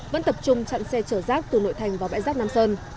vẫn tập trung chặn xe chở rác từ nội thành vào bãi rác nam sơn